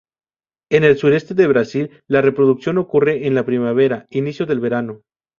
En el sureste de Brasil la reproducción ocurre en la primavera, inicio del verano.